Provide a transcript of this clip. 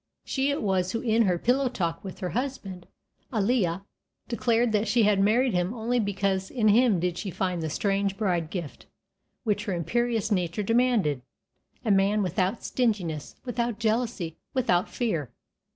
She it was who in her "Pillow Talk" with her husband Ailill declared that she had married him only because in him did she find the "strange bride gift" which her imperious nature demanded, "a man without stinginess, without jealousy, without fear."